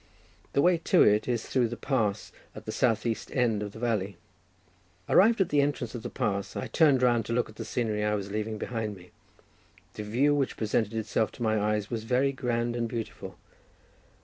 The way to it is through the pass at the south east end of the valley. Arrived at the entrance of the pass, I turned round to look at the scenery I was leaving behind me; the view which presented itself to my eyes was very grand and beautiful.